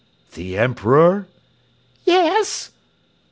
"The Emperor " "Yes?"